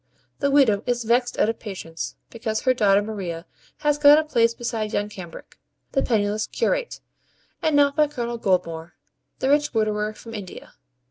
The widow is vexed out of patience, because her daughter Maria has got a place beside young Cambric, the penniless curate, and not by Colonel Goldmore, the rich widower from India.